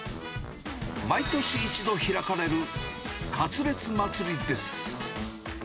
毎年１度開かれる、かつれつ祭りです。